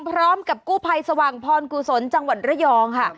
พร้อมกับกู้ภัยสว่างพรกุศลจังหวัดระยองค่ะ